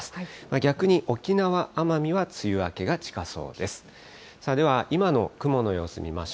逆に沖縄・奄美は梅雨明けが近そうです。